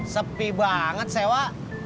sepi banget sewa